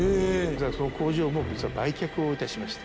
その工場も実は売却をいたしまして。